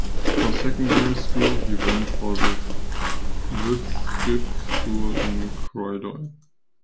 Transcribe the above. For secondary school he went to the Whitgift School in Croydon.